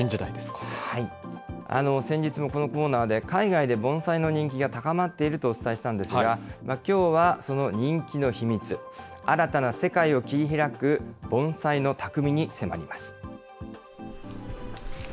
先日もこのコーナーで、海外で盆栽の人気が高まっているとお伝えしたんですが、きょうはその人気の秘密、新たな世界を切り開く盆栽の匠に迫ります。